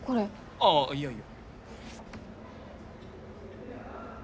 ああいやいや。